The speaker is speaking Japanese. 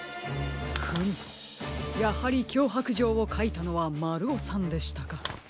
フムやはりきょうはくじょうをかいたのはまるおさんでしたか。